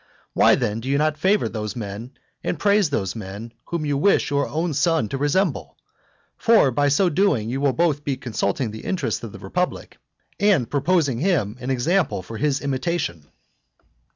Why, then, do you not favour those men and praise those men whom you wish your own son to resemble? For by so doing you will be both consulting the interests of the republic, and proposing him an example for his imitation.